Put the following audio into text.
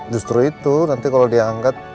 justru itu nanti kalau diangkat